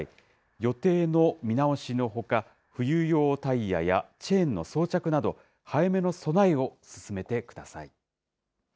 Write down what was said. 予定の見直しのほか、冬用タイヤやチェーンの装着など、早めの備えを進めてください。